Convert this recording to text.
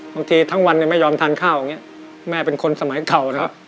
บางทีทั้งวันไม่ยอมทานข้าวแม่เป็นคนสมัยเก่านะครับ